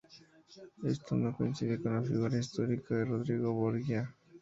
Esto no coincide con la figura histórica de Rodrigo Borgia.